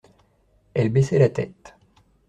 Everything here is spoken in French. Elle baissait la tête.